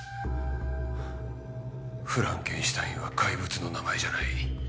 「フランケンシュタイン」は怪物の名前じゃない。